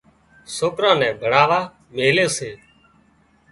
سوڪران نين ڀڻوا ميلي سي